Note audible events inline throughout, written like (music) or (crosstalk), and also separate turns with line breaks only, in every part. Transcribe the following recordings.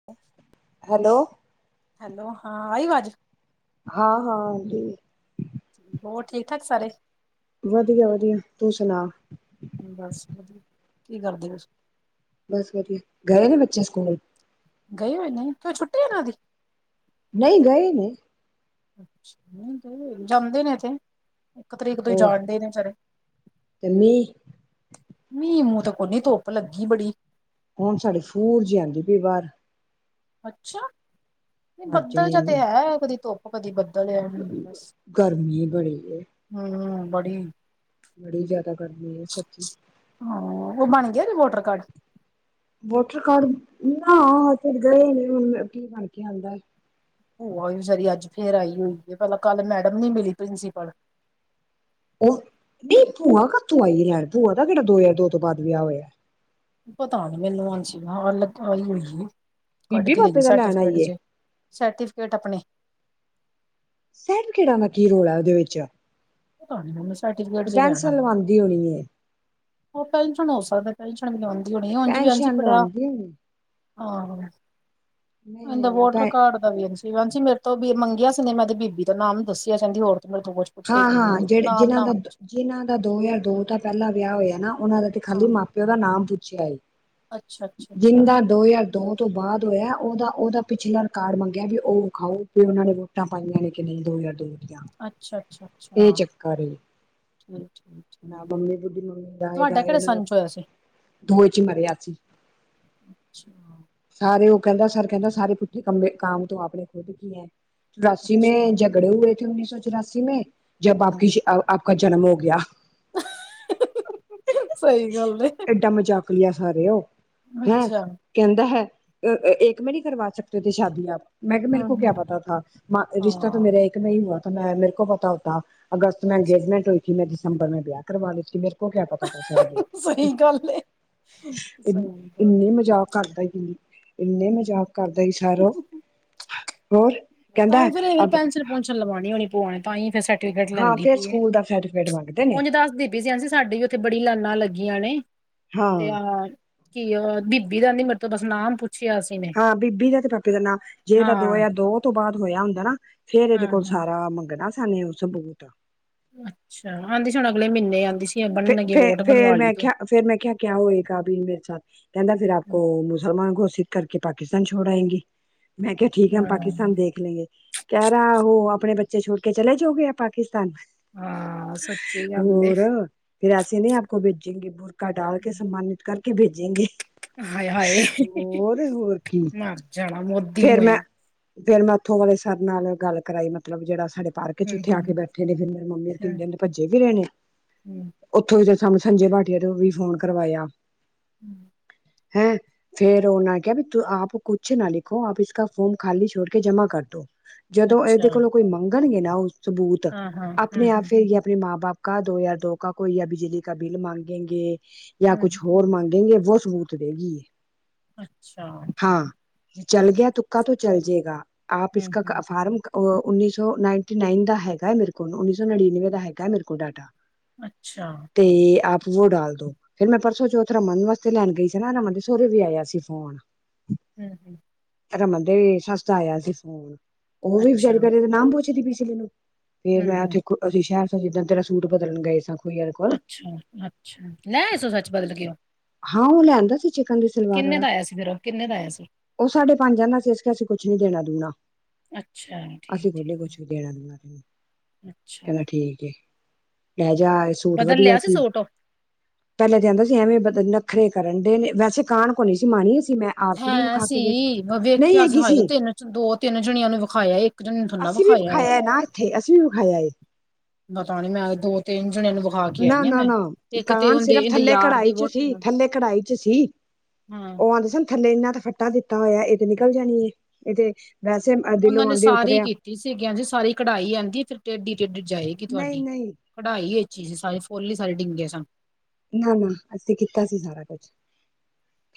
(inaudible)
Hello.
Hello ਹਾਂ ਆਈ ਅਵਾਜ਼।
ਹਾਂ -ਹਾਂ ਆਂਦੀ ਵੀ ਏ।
ਹੋਰ ਠੀਕ- ਠਾਕ ਸਾਰੇ।
ਵਧੀਆ- ਵਧੀਆ ਤੂੰ ਸੁਣਾ।
ਬਸ ਵਧੀਆਂ ਕੀ ਕਰਦੇ ਪਏ ਸੀ।
ਬਸ ਵਧੀਆ ਗਏ ਨੇ ਬੱਚੇ ਸਕੂਲ
ਗਏ ਹੋਏ ਨੇ ਕੱਲ ਛੁਟੀ ਇਹਨਾ ਦੀ
ਨਹੀ ਗਏ ਨੇ
ਜਾਦੇ ਨੇ ਇਥੇ ਇਕ ਤਰੀਕ ਤੋ ਹੀ ਜਾਣਦੇ ਨੇ ਸਾਰੇ
ਅਤੇ ਮੀਹ
ਮੀਂਹ ਮੂੰਹ ਤੇ ਕੋਨੀ ਧੁੱਪ ਲਗੀ ਬੜੀ
ਹੁਣ ਸਾਡੀ ਫੂਰ ਜੀ ਆਉਦੀ ਪਈ ਬਾਹਰ
ਅਛਾ,
ਮਰ
ਬੱਦਲ
ਜਾਣੇ
ਜਾ ਤੇ
ਨੇ
ਹੈ ਕਦੀ ਧੁੱਪ ਕਦੀ ਬੱਦਲ ਆ ਬਸ
ਗਰਮੀ ਬੜੀ ਏ
ਹਮ ਬੜੀ
ਬੜੀ ਜ਼ਿਆਦਾ ਗਰਮੀ ਹੈ। ਸੱਚੀ
ਹਾਂ। ਉਹ ਬਣ ਗਏ ਨੇ ਵੋਟਰ ਕਾਰਡ
ਵੋਟਰ ਕਾਰਡ ਨਾ ਗਏ ਨੇ ਕੀ ਬਣਕੇ ਆਉਦਾ
ਭੂਆ ਬਿਚਰੀ ਅੱਜ ਫੇਰ ਆਈ ਹੋਈ ਹੈ। ਪਹਿਲਾਂ ਕੱਲ ਮੈਡਮ ਨੀ ਮਿਲੀ ਪ੍ਰਿੰਸੀਪਲ
ਉਹ ਨੀ ਭੂਆ ਕਾਤੋਂ ਆਈ ਭੂਆ ਦਾ ਕਿਹੜਾ ਦੋ ਹਜ਼ਾਰ ਦੋ ਤੋ ਬਾਅਦ ਵਿਆਹ ਹੋਇਆ।
ਪਤਾ ਨੀ ਮੈਨੂ ਅੱਜ ਨਾਲ ਆਈ ਹੋਈ ਕਢ
ਬੀਬੀ
ਕੇ ਲਿਆਈ
ਪਾਪੇ
ਏ
ਦਾ ਲੈਣ
ਸਰਟੀਫਿਕੇਟ
ਆਈ ਏ
ਜੇ ਸਰਟੀਫਿਕੇਟ ਆਪਣੇ
ਸਰਟੀਫਿਕੇਟ ਦਾ ਕੀ ਰੋਲਾ ਹੈ ਉਹਦੇ ਵਿਚ
ਤੁਹਾਨੂੰ ਸਰਟੀਫਕੇਟ ਜਿਹਾ ਲਿਆਉਣਾ
ਲਵਾਂਦੀ ਹੋਣੀ ਹੈ।
ਉਹ ਟੈਂਸ਼ਨ ਹੋ ਸਕਦਾ ਟੈਂਸ਼ਨ ਵੀ ਆਉਦੀ ਹੋਣੀ ਉੰਝ ਵੀ ਜੀ
ਪੈਨਸ਼ਨ
ਬੜਾ
ਲਵਾਂਦੀ ਹੋਣੀ
ਆਹੋ ਇਹਦਾ
ਨਹੀਂ-ਨਹੀਂ ਉਹ
ਵੋਟਰ
ਤਾਂ
ਕਾਰਡ ਹਾਂਜੀ। ਮੇਰੇ ਤੋਂ ਮੰਗਿਆ ਸੀ ਮੈਂ ਤੇ ਬੀਬੀ ਦਾ ਨਾਮ ਦਸਿਆ ਕਹਿੰਦੀ ਹੋਰ ਤੇ ਮੇਰੇ ਤੋ ਕੁਛ ਪੁੱਛਿਆ ਹੀ
ਹਾਂ
ਕੋਈ ਨੀ
-ਹਾਂ ਜਿਹੜੇ
ਨਾਮ
ਜਿਹਨਾਂ ਦਾ
ਨਾਮ
ਜਿਨਾ ਦਾ ਦੋ ਹਜ਼ਾਰ ਦੋ ਦਾ ਪਹਿਲਾ ਵਿਆਹ ਹੋਇਆ ਨਾ ਉਹਨਾ ਦਾ ਤੇ ਖਾਲੀ
ਹਾਂ
ਮਾਂ ਪਿਓ ਦਾ ਨਾਮ ਪੁਛਿਆ ਸੀ।
ਅੱਛਾ ਅੱਛਾ ਅੱਛਾ
ਜਿੰਦਾ ਦੋ ਹਜ਼ਾਰ ਦੋ ਤੋਂ ਬਾਅਦ ਹੋਇਆ ਉਹਦਾ ਉਹਦਾ ਪਿਛਲਾ ਰਿਕਾਰਡ ਮਾਂਗਿਆ ਉਹ ਵਖਾਓ ਉਨ੍ਹਾਂ ਨੇ ਵੋਟਾ ਪਾਈਆਂ ਨੇ ਕਿ ਨਹੀਂ ਦੋ ਹਜਾਰ ਦੋ ਦੀਆਂ
ਅਛਾ- ਅਛਾ
ਇਹ ਚੱਕਰ
ਠੀਕ
ਨਾ
ਠੀਕ
ਮੰਮੀ ਬੁੱਢੀ
ਤੁਹਾਡਾ ਕਿਹੜੇ ਸੰਨ ਚ ਹੋਇਆ ਸੀ
ਦੋਏ 'ਚ ਮਰਿਆ ਸੀ।
ਅਛਾ-
ਸਾਰੇ ਉਹ ਕਹਿੰਦਾ ਸਰ ਕਹਿੰਦਾ ਸਾਰੇ ਪੁੱਠੇ ਕਾਮ ਤੋਂ ਆਪਣੇ ਖੁਦ ਕੀਤਾ ਹੈ ਚੁਰਾਸੀ ਮੈ
ਅੱਛਾ
ਜ ਖੜੇ ਹੋਏ ਉਨੀ ਸੌ ਚੁਰਾਸੀ ਮੇ ਜਬ
ਹਮ
ਆਪ ਕਾ ਜਨਮ ਹੋ ਗਿਆ।
(inaudible) ਸਹੀ ਗੱਲ ਏ
ਏਡਾ ਮਜਾਕ ਲਿਆ ਸਾਰੇ ਉਹ ਹੈਂ।
ਅੱਛਾ ਹਮ
ਕਹਿੰਦਾ ਹੈ ਇਕ ਮੇ ਨਹੀ ਕਰਵਾ ਸਕਦੇ ਸ਼ਾਦੀ ਆਪ ਮੈਂ ਕਿਹਾ ਮੇਰੇ ਕੋ ਕਿਆ
ਹਮ
ਪਤਾ ਥਾ ਰਿਸ਼ਤਾ ਤਾਂ
ਹਾਂ
ਮੇਰੇ ਇਕ ਨਾਲ ਹੀ ਹੂਆ ਥਾ ਮੈ ਮੇਰੇ ਕੋ ਪਤਾ ਅਗਸਤ
ਅੱਛਾ
ਅੰਗੇਜਮੈਂਟ ਹੋਈ ਸੀ ਮੈ ਦਸੰਬਰ ਮੈਂ ਵਿਆਹ ਕਰਵਾ ਲੇਤੀ ਮੇਰੇ ਕੋ ਕਿਆ ਪਤਾ
ਸਹੀ ਗੱਲ ਏ ਸਹੀ ਗੱਲ
ਇਨੇ ਮਜ਼ਾਕ ਕਰਦਾ ਕਿ ਇਨੇ ਮਜ਼ਾਕ
ਹਮ
ਕਰਦਾ ਸੀ ਸਾਰੋ ਹੋਰ ਕਹਿੰਦਾ
ਤਾਂ ਹੀ ਫਿਰ ਫਿਰ
ਅਬ
ਪੈਨਸ਼ਨ ਪੁਸਸ਼ਨ ਲਵਾਉ ਹੋਣੀ ਭੂਆ ਤਾਹੀ ਫਿਰ ਸਰਟੀਫਿਕੇਟ
ਹਾਂ
ਲੈਂਦੀ
ਫੇਰ
ਫਈ
ਸਕੂਲ ਦਾ ਸਰਟੀਫਿਕੇਟ ਮੰਗਦੇ ਨੇ
ਉਝ ਦਸਦੀ ਪੀ ਸੀ ਸਾਡੇ ਉਥੇ ਬੜੀ ਲਾਈਨਾ ਲਗੀਆਂ ਨੇ
ਹਾਂ
ਤੇ ਆਹ ਕੀ ਬੀਬੀ ਦਾ ਮੇਤੋਂ ਬਸ ਨਾਮ ਪੁਛਿਆ ਸੀ। ਨੇ
ਹਾਂ ਬੀਬੀ ਦਾ ਤੇ ਪਾਪੇ ਦਾ ਨਾਂ ਜੇ ਤਾਂ ਦੋ
ਹਾਂ
ਹਜਾਰ ਦੋ ਤੋਂ ਬਾਆਦ ਹੋਇਆ ਹੁੰਦਾ ਨਾ ਫੇਰ ਇਹਦੇ
ਹਾਂ
ਕੋਲ
ਹਾਂ।
ਸਾਰਾ ਮੰਗਣਾ ਸੀ ਉ ਸਬੂਤ
ਅਛਾ ਆਉਦੀ ਹੁਣ ਅਗਲੇ ਮਹੀਨੇ ਆਉਦੀ ਸੀ। ਬਣਨਗੇ ਵੋਟ ਬਣਵਾ
ਫੇਰ
ਲਈ
ਮੈਂ
ਤੂੰ।
ਕਿਹਾ ਫੇਰ ਮੈਂ ਕਿਹਾ ਕਿਆ ਹੋਏਗਾ ਵੀ ਮੇਰੇ 'ਚ- ਕਹਿਦਾ ਫਿਰ ਆਪ ਕੋ ਮੁਸਲਮਾਨ ਘੋਸ਼ਿਤ ਕਰਕੇ ਪਾਕਿਸਤਾਨ ਛੋੜ ਆਏਗੇ। ਮੈਂ ਕਿਹਾ ਠੀਕ ਹੈ। ਹਮ
ਹਾਂ
ਪਾਕਿਸਤਾਨ ਦੇਖ ਲੈਗੇ। ਕਹਿ ਰਿਹਾ ਉਹ, ਆਪਣੇ ਬੱਚੇ ਛੋੜ ਕੇ ਚਲੇ ਜਾਓਗੇ ਆਪ ਪਾਕਿਸਤਾਨ।
ਹਾਂ ਸੱਚੀ ਗੱਲ ਏ।
ਹੋਰ ਫਿਰ ਐਸੇ ਨਹੀਂ ਆਪ ਕੋ ਭੇਜੀਗੀ, ਬੁਰਕਾ ਡਾਲ ਕੇ ਸਮਾਨ ਕਰਕੇ ਭੇਜੇਂਗੇਂ।
ਹਾਏ-ਹਾਏ ਹੀ-ਹੀ-ਹੀ
ਹੋਰ ਕੀ
ਮਰ ਜਾਣਾ ਮੋ
ਫੇਰ ਮੈਂ, ਫੇਰ ਮੈਂ ਉੱਥੋਂ ਵਾਲੇ ਸਰ ਨਾਲ ਗੱਲ ਕਰਾਈ, ਮਤਲਬ ਜਿਹੜਾ ਸਾਡੇ ਪਾਰਕ ਚ
ਹੂੰ
ਉੱਥੇ
ਹੂੰ
ਆ ਕੇ ਬੈਠੇ ਨੇ, ਹੁਨ ਮੇਰੇ ਮੰਮੀ ਕਿੰਨੇ
ਹੂੰ
ਦਿਨ ਤੇ ਭੱਜੇ (unintelligible) ਨੇਂ। ਉੱਥੋਂ ਹੀ ਤੇ ਥੋਨੂੰ ਸੰਜੇ ਭਾਟੀਆ ਤੋਂ ਵੀ ਫੋਨ ਕਰਵਾਇਆ।
ਹਮ
ਹੈਂ! ਫੇਰ ਉਹਨਾਂ ਕਿਹਾ ਬਈ ਤੂ ਆਪ ਕੁਛ ਨਾ ਲਿਖ। ਖੋ, ਆਪ ਇਸਕਾ ਫੋਰਮ ਖਾਲੀ ਛੋੜ ਕੇ ਜਮਾ ਕਰਦੋ, ਜਦੋਂ
ਅੱਛਾ
ਇਹਦੇ ਕੋਲੋਂ ਕੋਈ ਮੰਗਨਗੇ ਨਾ ਉਂਜ ਸਬੂਤ,
ਹਾਂ ਹਾਂ ਹੂੰ
ਆਪਨੇ ਆਪ
ਹੂੰ
ਫਿਰ ਜੇ ਆਪਨੇ ਮਾਂ ਬਾਪ ਕਾ, ਦੋ ਹਜਾਰ ਦੋ ਕਾ ਕੋਈ ਯਾ ਬਿਜਲੀ ਕਾ ਬਿਲ ਮਾਂਗੇਂਗੇ, ਯਾਂ ਕੁਛ
ਹੂੰ
ਹੋਰ ਮੰਗੇਂਗੇ ਜੋ ਸਬੂਤ ਤੇ ਭੈਨ ਜੀ।
ਅੱਛਾ! ਠੀਕ।
ਚਲ ਗਿਆ ਤੁੱਕਾ ਤੋ ਚਲ ਜਾਏਗਾ, ਆਪ
ਹੂੰ
ਇਸਕਾ
ਹੂੰ
ਕ ਇਹ ਫਾਰਮ ਕਾ ਓਹ ਉੱਨੀ ਸੌ ਨਾਈਨਟੀ ਨਾਈਨ ਦਾ ਹੈਗਾ ਏ ਮੇਰੇ ਕੋਲ, ਉੱਨੀ ਸੌ ਨੜਿਨਵੇਂ ਦਾ ਹੈਗਾ ਏ ਮੇਰੇ ਕੋਲ ਡਾਟਾ।
ਅੱਛਾ।
ਤੇ ਆਪ ਯੋ ਡਾਲ ਦੋ। ਫਿਰ ਮੈਂ ਪਰਸੋਂ ਸੋਚ ਰਿਹਾ ਮੰਮੀ ਵਾਸਤੇ ਲੈਨ ਗਏ ਸੀ ਨਾ, ਇਹਦਾ ਮਤਲਬ ਸੁਵੇਰੇ ਵੀ ਆਇਆ ਸੀ ਫੋਨ।
ਹਮ-ਹਮ।
ਰਮਨ ਦੇ ਸੱਸ ਦਾ ਆਇਆ ਸੀ ਫੋਨ, ਉਹ ਵੀ
ਅੱਛਾ,
ਬਿਚਾਰੀ ਪਹਿਲੇ ਓਹਦੀ ਮਾਂ ਨੂੰ ਪੁੱਛਦੀ ਪਈ ਸੀ ਮੈਨੂੰ। ਫੇਰ ਮੈਂ
ਹੂੰ-ਹੂੰ,
ਉੱਥੇ ਕੋਲ ਅਸੀ ਸ਼ਹਿਰ ਸੀ ਜਿਸ ਦਿਨ ਤੇਰਾ ਸੂਟ ਬਦਲਨ ਗਏ ਸਨ।
ਅੱਛਾ-ਅੱਛਾ ਲਏ ਆਯੇ ਸੋ ਸੱਚ ਬਦਲ ਕੇ ਓਹ।
ਹਾਂ ਉਹ ਲਿਆਂਦਾ ਸੱਚ।
ਕਿੰਨੇ ਦਾ ਆਇਆ ਸੀ ਫਿਰ ਓਹ? ਕਿੰਨੇ ਦਾ ਆਇਆ ਸੀ?
ਉਹ ਸਾਡੇ ਪੰਜ ਕਹਿੰਦਾ ਸੀ ਇਸ ਤੇ ਅਸੀ ਕੁਛ ਨੀ ਦੇਣਾ ਦੂਣਾ,
ਅੱਛਾ,
ਅਸੀ
ਠੀਕ-ਠੀਕ,
ਭੁੱਲੇ ਕੁਛ ਵੀ ਨੀ। (unintelligible)
ਅੱਛਾ,
ਚਲੋ ਠੀਕ ਏ। ਲਹਿਜਾ
ਠੀਕ।
ਆਲੇ ਸੂਟ
ਬਦਲ
ਵਧੀਆ
ਲਿਆ
ਸੀ।
ਸੂਟ ਉਹ?
ਪਹਿਲੇ ਤੇ ਐਵੇਂ ਸੀ ਐਵੇਂ ਬਹੁਤੇ ਨਖਰੇ ਕਰਨਡੇ ਨੇਂ, ਵੈਸੇ ਕਾਰਣ ਕੋਈ ਨੀ ਸੀ, ਮਾਨ ਹੀ ਗਈ ਸੀ ਮੈਂ ਆ
ਹੈਂ ਸੀ, ਮੈਂ ਵੇਖਿਆ ਸੀ ਹਾਏ ਦਿਨ ਚ ਦੋ ਤਿੰਨ ਜਾਣੇ ਆ ਨੂੰ ਵਿਖਾਇਆ ਐ।
ਅਸੀਂ ਵੀ ਵਿਖਾਇਆ ਏ ਨਾ ਇੱਥੇ ਅਸੀਂ ਵੀ ਵਿਖਾਇਆ ਐ।
ਪਤਾ ਨੀ, ਮੈਂ ਦੋ ਤਿੰਨ ਜਣਿਆਂ ਨੂੰ ਖਵਾ ਕੇ
ਨਾ
ਆਈਆਂ
ਨਾ
ਮੈਂ,
ਨਾ
ਇੱਕ ਤੇ
ਕਾਨ
ਉਹਂਦੇ
ਸਿਰਫ
ਇਹੰਦੇ
ਥੱਲੇ
ਯਾਰ
ਕੜਾਹੀ
ਦੀ
ਚ
ਵੋਹਟੀ
ਸੀ
ਨੂੰ।
ਥੱਲੇ ਕੜਾਹੀ ਚ ਸੀ
ਹਾਂ।
ਉਹ ਆਉਂਦੇ ਸਨ ਥੱਲੇ ਇਹਨਾਂ ਤੇ ਫੱਟਾ ਦਿੱਤਾ ਹੋਇਆ ਏ, ਇਹ ਤੇ ਨਿਕਲ ਜਾਨਗੀ। ਓਹ ਤੇ ਵੈਸੇ (inaudible)
ਉਹਨਾਂ ਨੇ ਸਾਰੇ ਹੀ
ਉਤਰਿਆ
ਕੀਤੀ ਸੀਗੀਆਂ, ਜੀ ਸਾਰੀ ਕਢਾਈ ਆਉਂਦੀ ਫਿਰ ਟੇਡੀ ਟੇਡੀ ਜਾਏਗੀ
ਨਹੀਂ
ਤੁਹਾਡੀ।
ਨਹੀਂ
ਕਢਾਈ ਹੀ ਅਛੀ ਸੀ, ਸਾਰੇ ਫੁੱਲ ਹੀ ਸਾਰੇ ਟੇਡੇ ਸਨ।
ਨਾ-ਨਾ ਅਸੀ ਕੀਤਾ ਸੀ ਸਾਰਾ ਕੁਛ,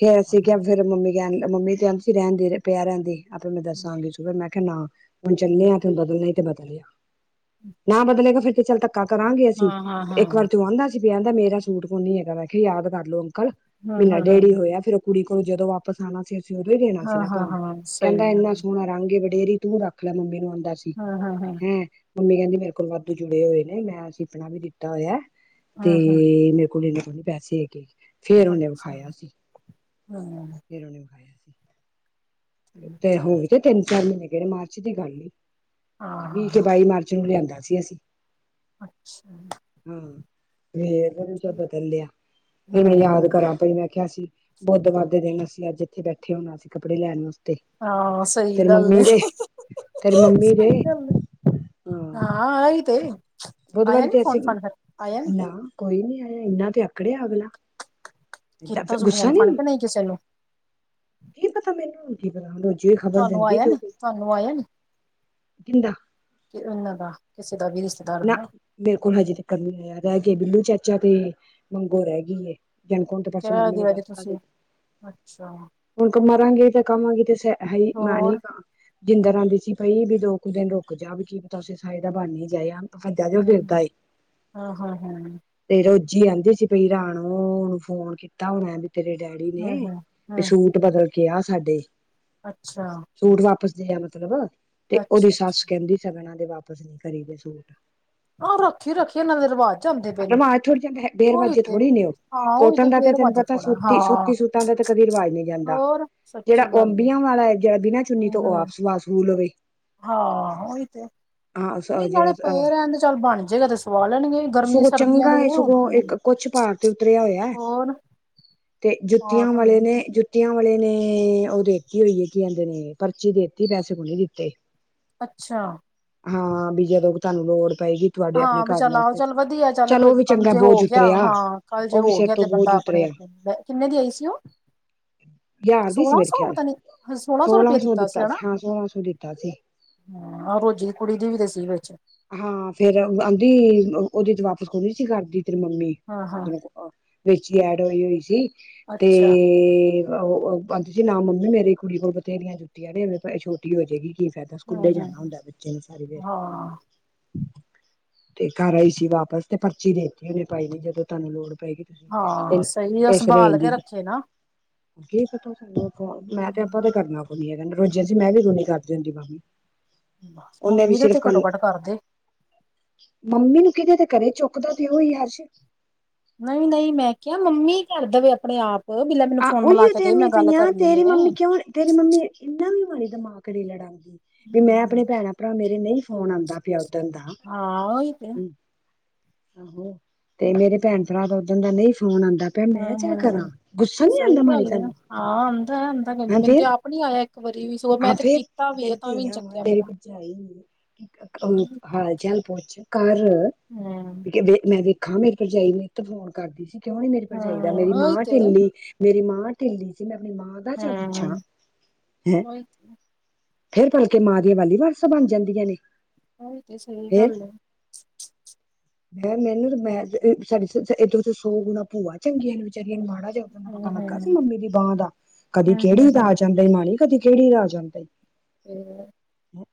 ਤੇ
ਪਤਾ
ਅਸੀ ਕਿਹਾ
ਨੀ
ਫਿਰ ਮੰਮੀ (unintelligible) ਮੰਮੀ ਕਹਿੰਦੀ ਸੀ ਰਹਿੰਦੀ ਰਹਿ, ਪਿਆ ਰਹਿੰਨ ਦੇ। ਆਪੇ ਮੈਂ ਦੱਸਨਾ ਹੁੰਦਾ ਸੀ ਫਿਰ ਮੈਂ ਕਿਹਾ ਨਾ। ਬਈ ਚੱਲੇ, ਫਿਰ ਬਦਲਨੀ ਹੈ ਤੇ ਬਦਲਿਆ। ਨਾ
ਅੱਛਾ
ਬਦਲੇ ਬਈ ਠੀਕ ਹੈ ਚੱਲ ਧੱਕਾ ਕਰਾਂਗੇ
ਹਾਂ
ਅਸੀ,
ਹਾਂ ਹਾਂ
ਇੱਕ ਵਾਰਿ ਤੇ ਓਹ ਆਉਂਦਾ ਸੀ, (unintelligible) ਸੂਟ ਕੋਈ ਨੀ ਹੈਗਾ, ਮੈਂ ਕਿਹਾ ਯਾਦ ਕਰਲੋ ਅੰਕਲ।
ਹਾਂ ਹਾਂ
ਮਹੀਨਾ
ਹਾਂ
ਡੇਢ ਹੀ ਹੋਇਆ ਫੇਰ ਇਹ ਕੁੜੀ ਕੋਲ ਜਦੋਂ ਵਾਪਸ ਆਉਨਾ ਫੇਰ (unintelligible) ਦੇਨਾ ਸੀ
ਹਾਂ
ਨਾ
ਹਾਂ
ਤੁਹਾਨੂੰ,
ਹਾਂ ਸਹੀ
ਕਹਿੰਦਾ ਇੰਹਨਾ
ਗੱਲ
ਸੋਹਣਾ ਰੰਗ ਈ ਵਡੇਰੀ ਤੂ ਰੱਖ ਲੈ ਮੰਮੀ ਨੂੰ ਹੁਨ ਦੱਸ।
ਹਾਂ ਹਾਂ ਹਾਂ
ਹੰ ਮੇਰੀ ਮੰਮੀ ਮੇਰੇ ਕੋਲ ਵਾਧੂ ਜੁੜੇ ਹੋਏ-ਹੋਏ ਨੇਂ, ਮੈਂ (unintelligible) ਤਾ ਹੋਇਆ ਏ,
ਹਾਂ ਹਾਂ
ਤੇ ਮੇਰੇ ਕੋਲ ਇੰਹਨੇ ਤੇ ਨੀ ਪੈਸੇ ਹੈਗੇ। ਫੇਰ ਉਹਨੇ
ਅੱਛਾ
ਵਿਖਾਇਆ ਸੀ,
ਹਾਂ
ਫਿਰ ਉਹਨੇ ਵਿਖਾਇਆ ਸੀ।
ਠੀਕ
ਤੇ ਹੋ
ਠੀਕ
ਤੇ ਤਿੰਨ ਚਾਰ ਮਹੀਨੇ ਗਏ ਨੇਂ, ਮਾਰਚ ਦੀ ਗੱਲ ਈ,
ਹਾਂ ਹਾਂ
ਵੀਹ ਤੇ
ਹਾਂ
ਬਾਈ ਮਾਰਚ। ਨੂੰ ਲਿਆਂਦਾ ਸੀ ਅਸੀ।
ਅੱਛਾ।
ਹਾਂ ਫਿਰ ਮੈਨੂੰ ਬਦਲ ਲਿਆ ਫਿਰ ਮੈਂ ਯਾਦ
ਹਾਂ
ਕਰਾਂ ਪਈ ਮੈਂ ਕਿਆ ਸੀ ਬੁੱਧਵਾਰ ਦੇ ਦਿਨ ਅਸੀਂ ਅੱਜ ਇੱਥੇ ਬੈਠੇ ਹੋਣਾ। ਅ ਸੀਂ ਕੱਪੜੇ ਲੈਣ।
ਹਾਂ ਸਹੀ
ਤੇਰੀ
ਗੱਲ
ਮੰਮੀ
ਏ
ਦੇ ਤੇਰੀ ਮੰਮੀ ਦੇ
ਸਹੀ ਗੱਲ ਹੈ। ਹਾਂ ਆ ਹੀ ਤੇ ਆਇਆ
ਬੁੱਧਵਾਰੀ
ਨੀ
ਤੇ
ਫੋਨ
ਅਸੀਂ
ਫਾਨ ਫਿਰ ਆਇਆ ਨੀ।
ਨਾ ਕੋਈ ਨੀ ਆਯਾ ਇਨਾ ਤੇ ਆਕੜਿਆ ਅਗਲਾ। ਦਸ
ਕੀਤਾ ਸੀ
ਗੁੱਸਾ
ਫੋਨ
ਨੀ
ਫਾਨ ਕੇ ਨਹੀਂ ਕਿਸੇ ਨੂੰ
ਕੀ ਪਤਾ ਮੈਨੂੰ। ਰੋਜੀ ਉਈ ਖ਼ਬਰ
ਤੁਹਾਨੂੰ
ਦਿੰਦੀ
ਆਇਆ ਨੀ
ਉਹਦੀ
ਤੁਹਾਨੂੰ ਆਇਆ ਨੀ
ਕਿੰਦਾ।
ਕਿ ਉਹਨਾਂ ਦਾ ਕਿਸੇ ਦਾ ਵੀ ਰਿਸ਼ਤਾ
ਨਾ ਮੇਰੇ ਕੋਲ ਹਜੇ ਤੱਕ ਨੀ ਆਇਆ ਰਹਿ ਗ ਬਿੱਲੂ ਚਾਚਾ ਤੇ ਮੰਗੋ ਰਹਿ ਗਈ ਹੈ। ਹੇਮਕੁੰਟ ਦੇ ਦਰਸ਼ਨ
ਕਹਿ
ਮੰਮੀ ਨੇ
ਦਿਆ ਜੇ
ਦੱਸਤਾ ਸੀ।
ਤੁਸੀਂ ਅੱਛਾ
ਹੁਣ ਮਰਾਂਗੇ ਤੇ ਕਵਾਂਗੇ ਤੇ ਸ ਹੈ ਹੀ ਮੈਂ ਨਹੀਂ
ਹੋਰ
ਕ ਜਿੰਦਰ ਆਉਂਦੀ ਸੀ ਪਈ ਵੀ ਦੋ ਕੁ ਦਿਨ ਰੁਕ ਜਾ ਵੀ ਕੀ ਪਤਾ ਉਸੇ ਸਾਈਡ ਦਾ ਬਣ ਈ ਜਾਏ। ਭੱਜਾ ਜਾ ਫਿਰਦਾ
ਹਮ-ਹਮ,
ਏ
ਹਾਂ-ਹਾਂ, ਹਮ।
ਤੇ ਰੋਜ਼ੀ ਆਹਿੰਦੀ ਸੀ ਪਈ ਰਾਣੌ ਨੂੰ ਫੋਨ ਕੀਤਾ ਹੁਣੇ ਤੇਰੇ ਡੈਡੀ ਨੇ
ਹਾਂ ਹਾਂ
ਵੀ
ਹਾਂ
ਸੂਟ ਬਦਲ ਕੇ ਆ ਸਾਡੇ।
ਅੱਛਾ।
ਸੂਟ ਵਾਪਿਸ ਦੇ ਮਤਲਬ ਤੇ, ਉਹਦੀ
ਅੱਛਾ ਅੱਛਾ
ਸੱਸ ਕਹਿੰਦੀ ਸਗਨਾ ਤੇ ਵਾਪਿਸ ਨੀ ਕਰੀ ਦੇ ਸੂਟ।
ਆਹ ਰੱਖੀ ਰੱਖੀਏ ਇਹਨਾਂ ਦੇ ਰਿਵਾਜ਼ ਜਾਂਦੇ ਪਏ ਨੇ
ਰਵਾਜ਼ ਥੋੜੀ ਜਾਂਦਾ ਹੈ।
ਉਹੀ
ਬੇਰਵਾਜ਼ੇ
ਤੇ
ਥੋੜ੍ਹੀ ਨੇ ਉਹ।
ਹਾਂ ਉਹੀ
ਕੋਟਨ ਦਾ ਤੇ ਤੈਨੂੰ
ਬੇਰਵਾਜ
ਪਤਾ
ਥੋੜਾ ਹਾਂ
ਸੂਤੀ-ਸੂਤੀ ਸੂਟਾ ਦਾ ਤਾਂ ਕਦੇ ਰਿਵਾਜ਼ ਨਹੀਂ ਜਾਂਦਾ।
ਹੋਰ
ਜਿਹੜਾ
ਸੱਚੀ
ਉਹ
ਗੱਲ ਹੈ
ਅੰਬੀਆਂ ਵਾਲਾ ਜਿਹੜਾ ਬਿਨਾ ਚੁੰਨੀ ਤੋਂ
ਹਮ
ਉਹ ਆਪ
ਹਮ
ਸਵਾ ਸਵੂ ਲਵੇ।
ਹਾਂ, ਉਹੀ ਤੇ
ਹਾਂ
ਨਹੀਂ ਨਾਲੇ
ਜਿਹੜਾ ਅ
ਪਏ ਰਹਿਣਦੇ ਚੱਲ ਬਣ ਜੇਗਾ ਤੇ- ਸਵਾ ਲੈਣਗੇ ਗਰਮੀ
ਸਗੋਂ
ਸਰਦੀਆਂ
ਚੰਗਾ
ਦੇ ਕਿਹੜੇ ਹੋਰ
ਸਗੋਂ
ਕੀ ਏ
ਇੱਕ ਕੁਛ ਪਾਰ ਤੇ ਉਤਰਿਆ ਹੋਇਆ।
ਹੋਰ
ਤੇ
ਹਾਂ
ਜੁੱਤੀਆਂ ਵਾਲੇ
ਭਲੇ
ਨੇ ਜੁੱ ਜੁਤੀਆ ਵਾਲੇ ਨੇ ਉਹ ਦੇਤੀ ਹੋਈ ਹੈ। ਕੀ ਕਹਿੰਦੇ ਨੇ ਪਰਚੀ ਦੇਤੀ ਪੈਸੇ ਕੋਈ ਨੀ ਦਿੱਤੇ।
ਅੱਛਾ।
ਹਾਂ ਬਈ ਜਦੋਂ ਤੁਹਾਨੂੰ ਲੋੜ ਪਏਗੀ ਤੁਹਾਡੇ ਆਪਣੇ
ਹਾਂ ਵੀ
ਘਰ
ਚੱਲ ਆਹੋ
ਵਾਸਤੇ
ਚੱਲ ਵਧੀਆ ਚੱਲ
ਚਲੋ ਉਹ ਵੀ
ਕੱਲ
ਚੰਗਾ
ਜੇ ਹੋ
ਬੋਝ
ਗਿਆ।
ਉਤਰਿਆ
ਹਾਂ, ਕੱਲ ਜੇ
ਉਹ ਵੀ
ਹੋ
ਸਿਰ
ਗਿਆ ਤੇ
ਤੋਂ
ਬੰਦਾ
ਬੋਝ ਉਤਰਿਆ
ਆਪਣੇ-ਆਪਣੇ ਕਿੰਨੇ ਦੀ ਆਈ ਸੀ ਉਹ?
ਹਜ਼ਾਰ ਦੀ ਸੀ
ਸੋਲਾਂ
ਮੇਰੇ
ਸੌ
ਖਿਆਲ
ਪਤਾਂ ਨਹੀਂ ਸੋਲਾਂ ਸੌ ਰੁਪਇਆ ਦਿੱਤਾ ਸੀ ਹਨਾ।
ਹਾਂ ਸੋਲਾਂ ਸੌ ਦਿੱਤਾ ਸੀ
ਹਾਂ ਰੋਜ਼ੀ ਦੀ ਕੁੜੀ ਦੀ ਵੀ ਤੇ ਸੀ ਵਿੱਚ।
ਹਾਂ ਫੇਰ ਆਂਦੀ ਉਹਦੀ ਤੇ ਵਾਪਸ ਕੋਈ ਨੀ ਸੀ ਕਰਦੀ ਤੇਰੀ ਮੰਮੀ।
ਹਾਂ ਹਾਂ
ਮਤਲਬ ਵਿੱਚ ਐਡ ਹੋਈ ਹੋਈ ਸੀ ਤੇ
ਅੱਛਾ
ਉਹ ਆਹਦੇ ਸੀ ਨਾ ਮੰਮੀ ਮੇਰੀ ਕੁੜੀ ਕੋਲ ਬਥੇਰੀਆਂ ਜੁੱਤੀਆਂ ਨੇ ਛੋਟੀ ਹੋ ਜਾਏਗੀ। ਕੀ ਫਾਇਦਾ
ਹਮ
ਸਕੂਲੇ
ਹਮ
ਜਾਣਾ ਹੁੰਦਾ ਬੱਚੇ ਨੇ ਸਾਰੀ ਦੀਆੜੀ।
ਹਾਂ
ਤੇ ਕਰ ਆਈ ਸੀ ਵਾਪਸ ਤੇ ਪਰਚੀ ਦੇਤੀ ਉਹਨੇ ਪਾਈ ਨੇ ਜਦੋਂ ਤੁਹਾਨੂੰ ਲੋੜ ਪਏਗੀ
ਹਾਂ
ਤੁਸੀਂ
ਸਹੀ
ਇਸ
ਸੰਭਾਲ
ਰੇਂਜ
ਕੇ
ਦੀ
ਰੱਖੇ ਨਾ।
ਕੀ ਪਤਾ ਸਾਨੂੰ ਮੈਂ ਤੇ ਆਪਾਂ ਤਾਂ ਕਰਨਾ ਕੋਈ ਨੀ ਹੈਗਾ ਰੋਜਿਆਂ ਸੀ ਮੈਂ ਵੀ ਸੁਨੀ ਕਰਤੀ ਗਲ
ਮੰਮੀ ਦਾ ਤੇ ਘੱਟੋ-ਘੱਟ ਕਰਦੇ।
ਮੰਮੀ ਨੂੰ ਕਿਹਦੇ ਤੇ ਕਰੇ ਚੁੱਕਦਾ ਤੇ ਉਹੀ ਹਰਸ਼।
ਨਹੀਂ-ਨਹੀਂ ਮੈਂ ਕਿਹਾ ਮੰਮੀ ਕਰ ਦੇਵੇ ਆਪਣੇ ਆਪ। ਬਿਲਾ ਮੈਨੂੰ
ਆਹ
ਫੋਨ ਮਿਲਾ
ਉਓਈਓ
ਕੇ ਦੇ
ਆਦੀ
ਮੈਂ ਗੱਲ
ਪਈਆਂ
ਕਰਨੀ
ਤੇਰੀ
ਹੈ
ਮੰਮੀ ਕਿਉਂ ਤੇਰੀ ਮੰਮੀ ਇੰਨਾ ਵੀ ਮਾੜੀ ਦਿਮਾਗ ਨਹੀ ਲੜਾਣਦੀ ਵੀ ਮੈਂ ਆਪਣੇ ਭੈਣਾਂ ਭਰਾ ਮਰੇ ਨਹੀਂ ਫੋਨ ਆਂਦਾ ਪਿਆ ਓਹਦਣ ਦਾ
ਹਾਂ ਉਹੀ ਤੇ।
ਆਹੋ ਤੇ ਮੇਰੇ ਭੈਣ ਭਰਾ ਦਾ ਓਦਣ ਦਾ ਨਹੀਂ ਫੋਨ ਆਉਂਦਾ ਭੈ ਮੈਂ
ਹਮ
ਚ ਕਰਾਂ।
ਹਮ
ਗੁੱਸਾ ਨੀ ਆਉਂਦਾ
ਸਹੀ
ਮਾੜੀ
ਗੱਲ ਹੈ।
ਤੈਨੂੰ
ਹਾਂ ਆਉਂਦਾ ਆਂਦਾ ਨ
ਹੈਂ
ਮੈਨੂੰ ਤੇ
ਫੇਰ
ਆਪ ਨ ਆਇਆ ਇੱਕ ਵਾਰੀ ਵੀ ਸ ਮੈਂ
ਹਾਂ
ਤੇ
ਫੇਰ
ਕੀਤਾ ਤਾਂ ਵੀ ਆ
ਤੇਰੀ
ਤਾਂ ਵੀ ਨਹੀ
ਧੀਆਂ ਵਾ
ਚੱਕਿਆ
ਤੇਰੀ
ਮੇਰਾ।
ਭਰਜਾਈ ਹਾਲ ਚਾਲ ਪੁੱਛ ਘਰ।
ਹਮ।
ਮੈਂ ਵੇਖਾ, ਮੇਰੀ ਭਰਜਾਈ ਨਿੱਤ ਫੋਨ ਕਰਦੀ ਸੀ। ਕਿਉਂ ਨਹੀਂ ਮੇਰੀ ਭਰਜਾਈ, ਤਾ
ਹਮ
ਮੇਰੀ
ਉਹੀ
ਮਾਂ।
ਤੇ
ਢਿੱਲੀ ਮੇਰੀ ਮਾਂ ਢਿੱਲੀ ਸੀ। ਮੈਂ ਆਪਣੀ ਮਾਂ।
ਹਮ ਉਹੀ
(inaudible) ਫੇਰ ਭਲਕੇ ਮਾਂ ਦੀਆਂ ਵਾਲੀ ਵਾਰਸਾਂ ਬਣ ਜਾਂਦੀਆਂ ਨੇ।
ਉਹੀ ਤੇ ਸਹੀ
ਫੇਰ
ਗੱਲ ਏ।
ਮੈਂ ਕਿਹਾ ਮੈਨੂੰ ਨ ਸੂਟ ਏਦੋਂ ਤੇ ਸੌ ਗੁਣਾ ਭੂਆ ਚੰਗੀ ਨੇ ਵਿਚਾ। ਮਾੜਾ ਜਿਹਾ ਉਦਣ ਦਾ ਪਤਾ
ਹੂੰ
ਲੱਗਾ ਸੀ।
ਹੂੰ
ਮੰਮੀ ਦੀ ਬਾਂਹ ਦਾ। ਕਦੀ
ਹੂੰ ਹੂੰ
ਗੇੜੀ
ਹੂੰ
ਲਾ ਜਾਂਦੀ। ਇਮਾਣੀ ਕਦੀ ਗੇੜੀ ਲਾ ਜਾਂਦੇ।
ਹੂ।
ਹਮ।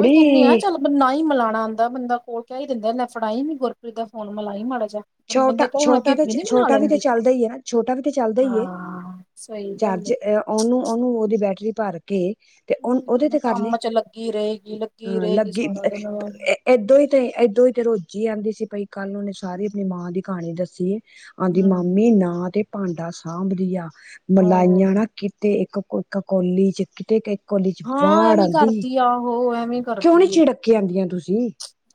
ਓਏ ਕਹਿਣੇ ਆ ਚਲ। ਨਾ ਹੀ ਮਲਾਉਣਾ ਆਉਂਦਾ। ਬੰਦਾ ਕੋਲ ਕਹਿ ਹੀ ਦਿੰਦਾ। ਲੈ ਨੀਂ ਫੜਾਈ ਨੀ ਗੁਰਪ੍ਰੀਤ ਦਾ ਫੋਨ ਮਿਲਾਈ ਮਾੜਾ ਜਿਹਾ।
ਛੋਟਾ ਛੋਟਾ ਤੇ ਛੋਟਾ ਵੀ ਤੇ ਚੱਲਦਾ ਏ। ਛੋਟਾ ਵੀ ਤੇ ਚੱਲਦਾ ਏ
ਹਾਂ ਸਹੀ ਗੱਲ
ਚਾਰਜ। ਉਹਨੂੰ ਉਹਨੂੰ ਉਹਦੀ ਬੈਟਰੀ ਭਰ ਕੇ। ਤੇ ਹੁਣ
ਏ
ਉਹਦੇ ਤੇ ਕਰ ਲਈ
ਕੰਮ ਚ ਲੱਗੀ ਰਹੇਗੀ ਲੱਗੀ
ਹ
ਰਹੇਗੀ
ਲੱਗੀ
ਸਾਰਾ
ਅ
ਦਿਨ
ਐ। ਇਏਦੋਂ ਤੇ ਇਏਦੋਂ ਤੇ ਰੋਜੀ ਆਉਂਦੀ ਸੀ। ਪਈ ਕੱਲ੍ਹ ਉਹਨੇ ਸਾਰੀ ਆਪਣੀ ਮਾਂ ਦੀ ਕਹਾਣੀ ਦੱਸੀ ਏ। ਆਉਂਦੀ
ਹੂੰ
ਮਾਮੀ ਨਾ ਤੇ ਭਾਂਡਾ ਸਾਂਭਦੀ ਆ। ਮਲਾਈਆਂ
ਹੋਰ
ਨਾ। ਤੇ ਇੱਕ-ਇੱਕ ਕੋਲੀ ਚ ਗਿਟਕ। ਕੋਲੀ ਚ
ਹਾਂ
ਹਵਾੜ
ਐਵੇਂ
ਆਉਂਦੀ।
ਕਰਦੀ ਆ ਉਹ ਐਵੇਂ
ਕਿਉਂ ਨਹੀਂ
ਕਰਦੀ ਏ
ਝਿੜਕ ਕੇ ਆਉਂਦੀਆਂ ਤੁਸੀਂ?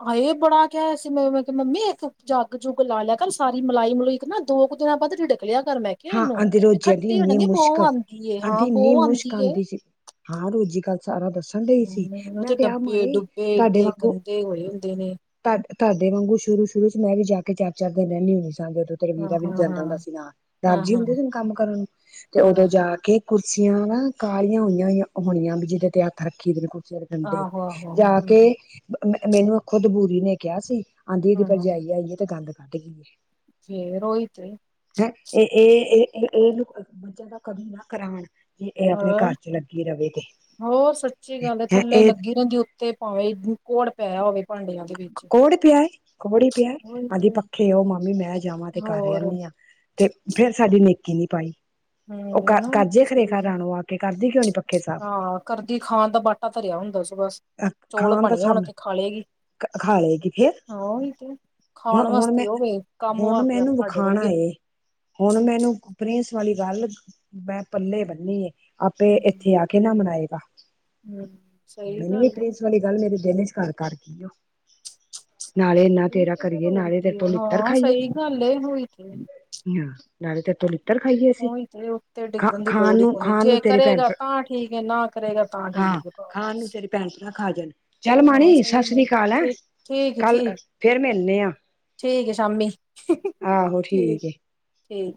ਹਾਏ ਬੜਾ ਕਿਹਾ ਸੀ, ਮੰਮੀ। ਇੱਕ ਜੱਗ ਜੁੱਗ ਲਾ ਲਿਆ ਕਰ। ਸਾਰੀ ਮਲਾਈ ਮਲੁਈ। ਨਾ ਦੋ ਕੁ ਦਿਨਾਂ ਬਾਅਦ ਰਿੜਕ ਕਰ ਮੈਂ। ਕਿਹਾ
ਹਾਂ
ਇਹਨੂੰ
ਆਂਦੇ
ਵੀ
ਰੋਜ਼ੀ ਕਹਿਦੀ
ਖੱਟੀ ਹੋ
ਇੰਨੀ
ਜਾਂਦੀ ਬੋ
ਮੁਸ਼ਕ।
ਏ ਹਾਂ
ਆਂਦੀ
ਬੋ
ਇੰਨੀ ਮੁਸ਼ਕ
ਆਂਦੀ ਏ
ਆਉਂਦੀ ਸੀ। ਹਾਂ ਰੋਜ਼ੀ ਕੱਲ ਸਾਰਾ ਦੱਸਣ ਡਈ ਸੀ।
ਹਮ
ਮੈਂ ਤਾ ਆਮ ਆਈ ਤੁਹਾਡੇ ਵਾਂਗੂ।
ਇਹ ਹੋਏ ਹੁੰਦੇ ਨੇ।
ਤੁਹਾਡੇ ਵਾਂਗੂ ਸ਼ੁਰੂ-ਸ਼ੁਰੂ ਚ ਮੈਂ ਵੀ ਜਾ ਕੇ ਚਾਰ- ਚਾਰ ਦਿਨ ਰਹਿੰਦੀ ਹੁੰਨੀਂ ਸਾਂ। ਵੀਰਾ
ਹਾਂ
ਵੀ ਨੀ
ਹਾਂ
ਜਾਂਦਾ
ਹਾਂ
ਹੁੰਦਾ ਸੀ, ਨਾ
ਹਾਂ
ਰਾਜੀ
ਹਾਂ
ਹੁੰਦੇ ਸੀ ਕੰਮ ਕਰਨ ਲਈ ਤੇ ਉਦੋਂ
ਹਾਂ
ਜਾ ਕੇ। ਕੁਰਸੀਆਂ ਨਾ ਕਾਲੀਆਂ ਹੋਈਆਂ, ਹੋਈਆਂ ਹੋਣੀਆਂ। ਵੀ ਜਿਹਦੇ ਤੇ ਹੱਥ ਰੱਖੀ ਦੇ ਕੁਰਸੀਆਂ। ਅੰਦਰੇ
ਆਹੋ ਆਹੋ
ਜਾ ਕੇ
ਹਮ
ਮੈਨੂੰ ਖੁਦ ਬੂਰੀ ਨੇ ਕਿਹਾ ਸੀ। ਆਂਦੀ ਏਦੀ
ਹਾਂ
ਭਰਜਾਈ ਆਈ ਏ ਤੇ ਗੰਦ ਕੱਢ ਗਈ ਏ।
ਫਿਰ ਉਹੀ ਤੇ।
ਹੈ ਇਹ ਇਹ ਇਹ ਨੂੰ ਬੱਚਿਆਂ ਤੋ ਕੰਮ ਨਾ ਕਰਾਵਾ। ਇਹ ਆਪਣੇ ਘਰ
ਹੋਰ
ਚ ਲੱਗੀ ਰਹੇ ਤੇ ਇਹ।
ਤੇ ਪਾ ਇਹਦੇ।
ਕੋਹੜ ਪਿਆ ਏ, ਕੋਹੜ ਹੀ ਪਿਆ ਏ।
ਉਹੀ
ਆਦੀ
ਤੇ
ਪੱਖੇ ਉਹ ਮਾਮੀ ਮੈਂ ਜਾਵਾਂ। ਤੇ ਕਰ
ਹੋਰ
ਆਨੀ ਆਂ ਤੇ ਫੇਰ ਸਾਡੀ ਨੇਕੀ ਨਹੀ ਪਾਈ। ਉਹ ਕਰ
ਹੂ ਹੁਣ ਤੇ
ਕਰਜੇ ਖਰੇ
ਸਹੀ
ਘਰ
ਹੈ।
ਰਾਣੋ ਆ ਕੇ ਕਰਦੀ ਕਿਉਂ ਨੀ ਪੱਖੇ ਸਾਫ਼
ਹਾਂ, ਕਰਦੀ ਖਾਣ ਦਾ ਬਾਹਾਨਾ। ਆਪਾ ਤਰਿਆ ਹੁੰਦਾ ਸੀ ਬਸ।
ਖਾਣ ਦੇ ਸਾਨੂੰ।
ਹੋਲੇ ਗੀ।
ਖਾ ਲਏਗੀ ਫਿਰ।
ਖਾਣ
ਹੁਣ-ਹੁਣ ਮੈਂ
ਵਾਸਤੇ ਹੋਵੇ ਕੰਮ
ਹੁਣ ਮੈ
ਵਾਸਤੇ
ਇਹਨੂੰ
ਸਾਡੇ
ਵਿਖੋਣਾ
ਵਰਗੇ
ਏ। ਹੁਣ ਮੈਨੂੰ ਪ੍ਰਿੰਸ, ਵਾਲੀ ਗੱਲ ਮੈਂ ਪੱਲੇ ਬੰਨੀ ਏ, ਆਪੇ ਇੱਥੇ ਆ ਕੇ। ਕਿਹਨਾ ਮਨਾਏਗਾ?
ਹਾ, ਸਹੀ ਗੱਲ ਏ।
ਪਹਿਲਾ ਮੇਰੇ ਦਿਲ ਚ ਘਰ ਕਰ। ਨਾਲੇ ਇੰਨਾ
ਠੀਕ
ਤੇਰਾ
ਤੇ ਫਿਰ
ਕਰੀਏ,
ਹੋਰ
ਨਾਲੇ ਤੇਰੇ
ਕੀ
ਤੋਂ
ਹੈ
ਛਿੱਤਰ ਰ,
ਹਾਂ
ਖਾਈਏ।
ਸਹੀ ਗੱਲ ਏ ਹੋਈ ਤੇ
ਨਾਲੇ, ਤੇਰੇ ਤੋਂ ਗੱਲ।
ਉਹੀ ਤੇ, ਉੱਤੇ ਡਿੱਗਣ ਦੀ ਲੋੜ ਹੀ
ਨੂੰ
ਕੋਈ ਨੀ।
ਖਾਣ
ਜੇ
ਨੂੰ ਤੇਰੀ ਭੈਣ
ਕਰੇਗਾ ਤਾਂ ਠੀਕ ਏ ਨਾ ਕਰੇਗਾ ਤਾਂ
ਹਾਂ
ਠੀਕ ਏ।
ਖਾਣ ਨੂੰ ਤੇਰੇ ਭੈਣ ਭਰਾ ਖਾ ਜਾਣ। ਚੱਲ
ਹਾਂ
ਮਾਣੀ ਸਤਿ
ਸਹੀ ਗੱਲ
ਸ੍ਰੀਕਾਲ। ਹੈਂ
ਠੀਕ ਠੀਕ
ਕਾੱਲ,
ਠੀਕ
ਫੇਰ ਮਿਲਨੇ ਆ।
ਠੀਕ ਏ ਸ਼ਾਮੀ (unintelligible)
ਆਹੋ
ਠੀਕ,
ਏ
ਠੀਕ।